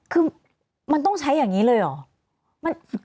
คือมันต้องใช้อย่างนี้เลยเหรอ